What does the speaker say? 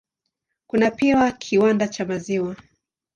Kuna pia kiwanda cha maziwa.